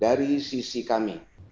dari sisi kami